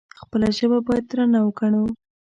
خپله ژبه باید درنه وګڼو.